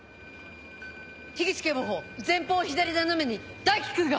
口警部補前方左斜めに大樹君が！